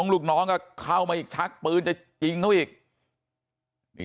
ลูกน้องก็เข้ามาอีกชักปืนจะยิงเขาอีก